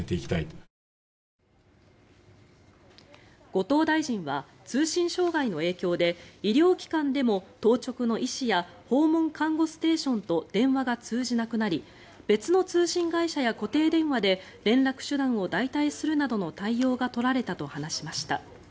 後藤大臣は通信障害の影響で医療機関でも当直の医師や訪問看護ステーションと電話が通じなくなり別の通信会社や固定電話で連絡手段を代替するなどの対応が取られたと話しました。